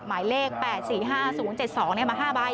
หมายเลข๘๔๕๐๗๒มา๕ใบ